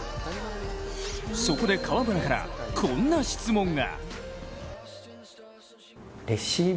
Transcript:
そこで河村から、こんな質問が。